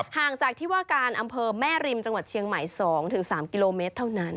ห่างจากที่ว่าการอำเภอแม่ริมจังหวัดเชียงใหม่๒๓กิโลเมตรเท่านั้น